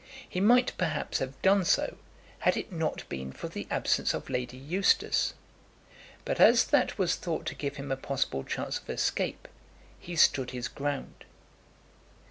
He might, perhaps, have done so had it not been for the absence of Lady Eustace; but as that was thought to give him a possible chance of escape, he stood his ground.